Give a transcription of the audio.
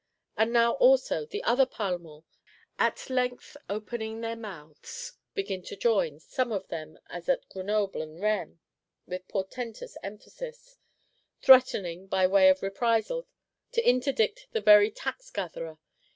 And now also the other Parlements, at length opening their mouths, begin to join; some of them, as at Grenoble and at Rennes, with portentous emphasis,—threatening, by way of reprisal, to interdict the very Tax gatherer.